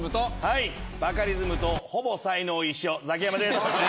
はいバカリズムとほぼ才能一緒ザキヤマです。